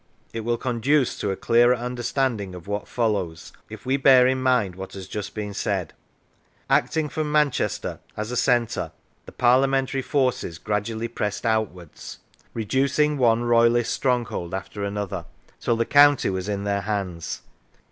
It will conduce to a clearer understanding of what follows if we bear in mind what has just been said. Acting from Manchester, as a centre, the Parliamentary forces gradually pressed outwards, re Lancashire ducing one Royalist stronghold after another, till the county was in their hands.